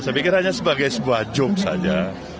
saya pikir hanya sebagai sebuah joke saja